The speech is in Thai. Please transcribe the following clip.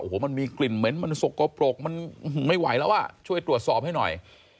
โอ้โหมันมีกลิ่นเหม็นมันสกปรกมันไม่ไหวแล้วอ่ะช่วยตรวจสอบให้หน่อย